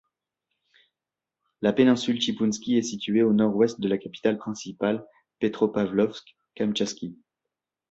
La péninsule Chipounski est située à au nord-est de la capitale provinciale, Petropavlovsk-Kamtchatski.